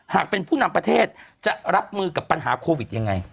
หากเป็นผู้นำประเทศจะรับมือกับปัญหาโควิดยังไง